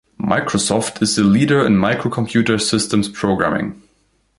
Microsoft is the leader in microcomputer systems programming.